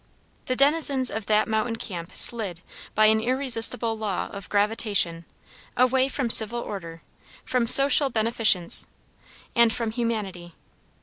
The denizens of that mountain camp slid, by an irresistible law of gravitation, away from civil order, from social beneficence, and from humanity.